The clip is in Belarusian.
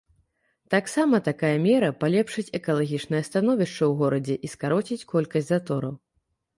Таксама такая мера палепшыць экалагічнае становішча ў горадзе і скароціць колькасць затораў.